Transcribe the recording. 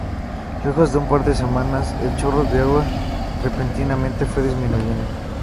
Lejos de un par de semanas, el chorro de agua repentinamente fue disminuyendo.